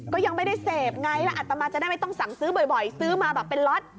ก็ยังไม่ได้เสพไงแล้วอัตมาจะได้ไม่ต้องสั่งซื้อบ่อยซื้อมาแบบเป็นล็อต